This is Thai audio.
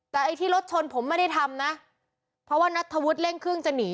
แต่ไอ้ที่รถชนผมไม่ได้ทำนะเพราะว่านัทธวุฒิเร่งเครื่องจะหนี